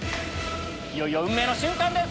いよいよ運命の瞬間です！